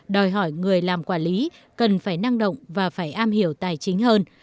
đòi hỏi người làm quản lý cần phải năng động và phải am hiểu tài chính hơn